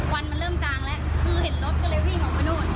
วันมันเริ่มจางแล้วคือเห็นรถก็เลยวิ่งออกไปนู่น